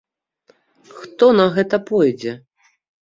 Хто на гэта пойдзе?